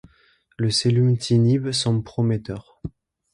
Le selumetinib semble prometteur.